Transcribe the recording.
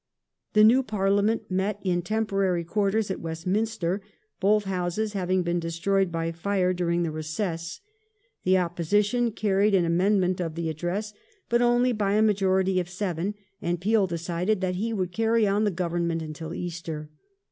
The new Parliament met in temporary quarters at Westminster, The Irish both Houses having been destroyed by fire during the recess. The ^"*^*'°" Opposition canied an amendment to the Address, but only by a majority of seven, and Peel decided that he would carry on the Government until Easter.